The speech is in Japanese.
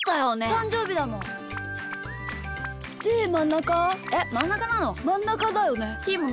たんじょうびだもんな。